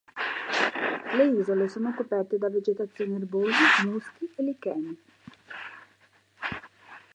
Le isole sono coperte da vegetazione erbosa, muschi e licheni.